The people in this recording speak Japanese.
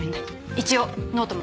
一応ノートも。